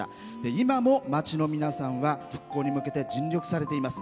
今も町の皆さんは復興に向けて尽力されています。